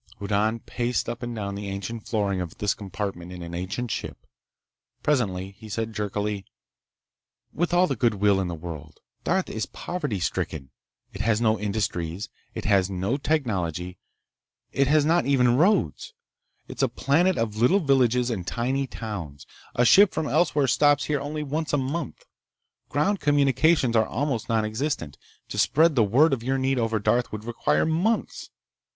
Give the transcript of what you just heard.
Hoddan paced up and down the ancient flooring of this compartment in an ancient ship. Presently he said jerkily: "With all the good will in the world.... Darth is poverty stricken. It has no industries. It has no technology. It has not even roads! It is a planet of little villages and tiny towns. A ship from elsewhere stops here only once a month. Ground communications are almost nonexistent. To spread the word of your need over Darth would require months.